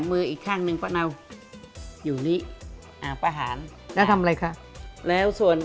มืออย่างนี้เหรอคะ